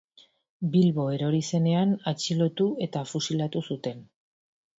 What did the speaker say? Bilbo erori zenean atxilotu eta fusilatu zuten.